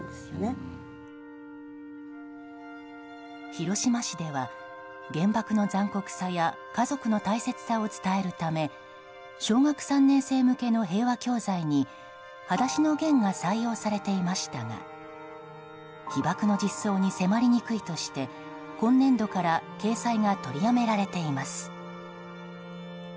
広島市では、原爆の残酷さや家族の大切さを伝えるため小学３年生向けの平和教材に「はだしのゲン」が採用されていましたが被爆の実相に迫りにくいとして今年度から掲載が取りやめられています。